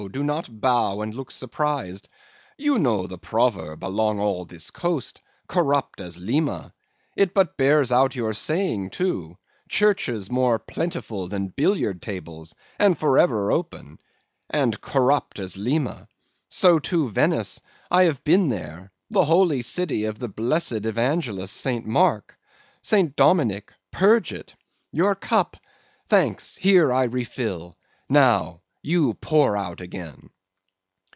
do not bow and look surprised; you know the proverb all along this coast—"Corrupt as Lima." It but bears out your saying, too; churches more plentiful than billiard tables, and for ever open—and "Corrupt as Lima." So, too, Venice; I have been there; the holy city of the blessed evangelist, St. Mark!—St. Dominic, purge it! Your cup! Thanks: here I refill; now, you pour out again.